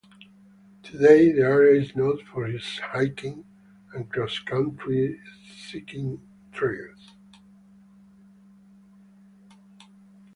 Today the area is noted for its hiking and cross-country skiing trails.